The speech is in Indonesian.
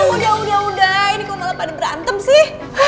eh udah udah udah ini kok malah pada berantem sih